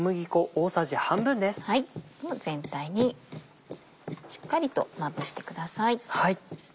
全体にしっかりとまぶしてください。